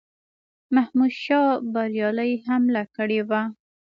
محمودشاه بریالی حمله کړې وه.